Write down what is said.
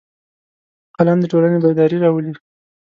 قلم د ټولنې بیداري راولي